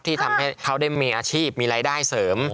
ที่ทำให้เขาได้มีอาชีพมีรายได้เสริม